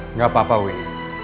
enggak papa weh